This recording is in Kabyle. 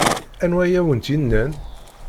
Anwa ay awent-yennan?